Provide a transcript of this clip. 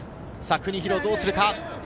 国広、どうするか。